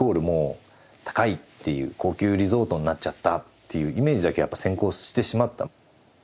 もう高いっていう高級リゾートになっちゃったっていうイメージだけやっぱ先行してしまった。